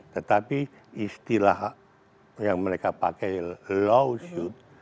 tetapi istilah yang mereka pakai lawsuit